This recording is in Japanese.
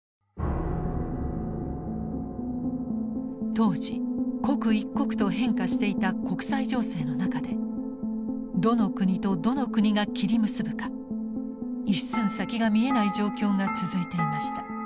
当時刻一刻と変化していた国際情勢の中でどの国とどの国が切り結ぶか一寸先が見えない状況が続いていました。